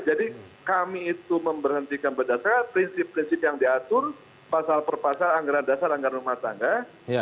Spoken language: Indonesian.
jadi kami itu memberhentikan berdasarkan prinsip prinsip yang diatur pasal perpasal anggaran dasar anggaran rumah tangga